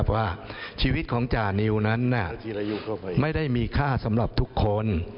ว่าชีวิตของจานิวนั้นไม่ได้มีค่าสำหรับทุกคน